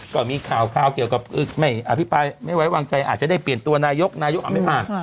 ก็มีข่าวเกี่ยวกับไม่อภิปรายไม่ไว้วางใจอาจจะได้เปลี่ยนตัวนายกนายกไม่ผ่าน